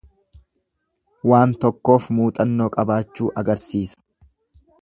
Waan tokkoof muuxannoo qabaachuu agarsiisa.